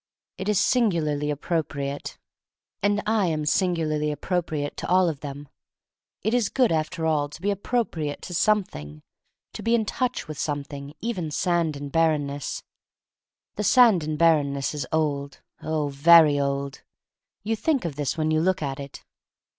It is singularly appropri ate. And I am singularly appropriate to all of them. It is good, after all, to be appropriate to something — to be in i8 THE STORY OF MARY MAC LANE IQ touch with something, even sand and barrenness. The sand and barrenness is old — oh, very old. You think of this when you look at it.